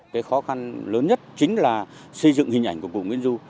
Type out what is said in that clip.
cái khó khăn lớn nhất chính là xây dựng hình ảnh của cụ nguyễn du